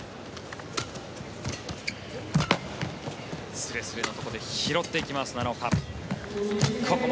すれすれのところで拾っていきます奈良岡。